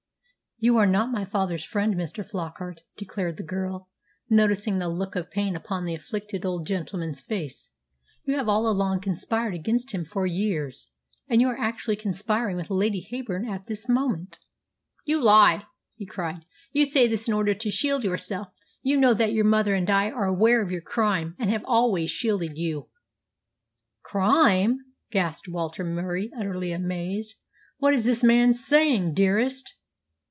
"You are not my father's friend, Mr. Flockart," declared the girl, noticing the look of pain upon the afflicted old gentleman's face. "You have all along conspired against him for years, and you are actually conspiring with Lady Heyburn at this moment." "You lie!" he cried. "You say this in order to shield yourself. You know that your mother and I are aware of your crime, and have always shielded you." "Crime!" gasped Walter Murie, utterly amazed. "What is this man saying, dearest?"